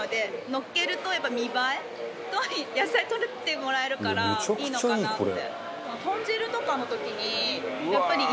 のっけると、やっぱり見栄えと野菜とってもらえるからいいのかなって。